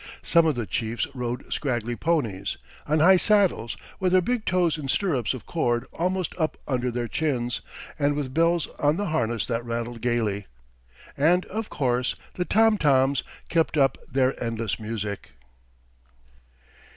Some of the chiefs rode scraggly ponies, on high saddles, with their big toes in stirrups of cord almost up under their chins, and with bells on the harness that rattled gaily. And, of course, the tom toms kept up their endless music.